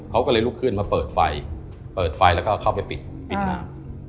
เขาก็เลยลุกขึ้นมาเปิดไฟเปิดไฟแล้วก็เข้าไปปิดปิดน้ำ